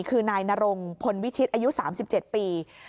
คือนายนรงพลวิชิตอายุ๓๗ปี